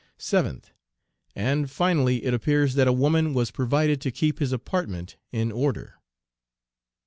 7th. And, finally, it appears that a woman was provided to keep his apartment in order.